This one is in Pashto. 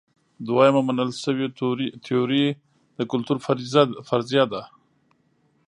دویمه منل شوې تیوري د کلتور فرضیه ده.